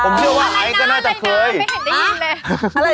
ผมเชื่อว่าไอซ์ก็น่าจะเคยไม่เห็นได้ยินเลย